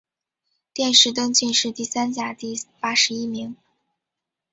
殿试登进士第三甲第八十一名。